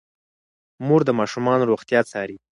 مور د ماشومانو روغتیا څاري.